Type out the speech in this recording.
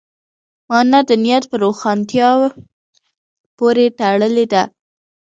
مانا د نیت په روښانتیا پورې تړلې ده.